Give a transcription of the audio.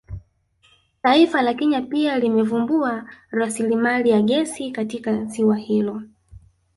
Taifa la Kenya pia limevumbua rasilimali ya gesi katika ziwa hilo